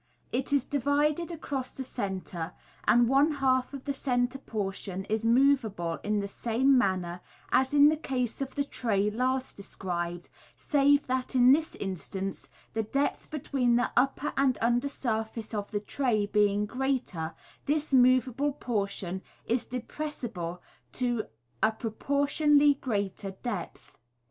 (See Fig. 99.) It is divided across the centre, and one half of the centre portion is move able in the same manner as in the case of the tray last described, save that in this instance the depth between the upper and under surface of the tray being greater, this moveable portion is depressible to l proportionately greater depth.